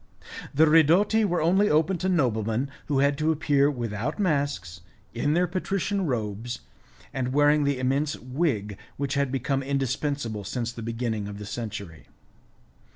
The ridotti were only open to noblemen who had to appear without masks, in their patrician robes, and wearing the immense wig which had become indispensable since the beginning of the century.